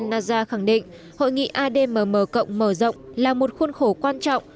và phin loren nazar khẳng định hội nghị admm mở rộng là một khuôn khổ quan trọng